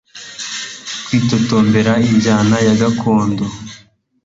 Kwitotombera injyanayagakondo